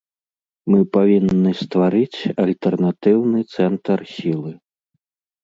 Мы павінны стварыць альтэрнатыўны цэнтр сілы.